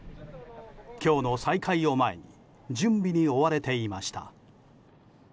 今日の再開を前に準備に追われていました。